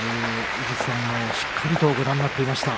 井筒さんもしっかりとご覧になっていました。